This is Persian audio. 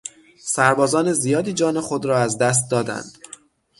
سربازان زیادی جان خود را از دست دادند